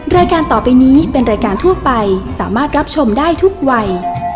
รายการต่อไปนี้เป็นรายการทั่วไปสามารถรับชมได้ทุกวัย